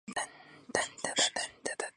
发生事故的是一列属于。